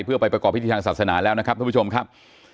เพื่อไปประกอบพิจารณ์ศาสนาที่นี่แล้วครับ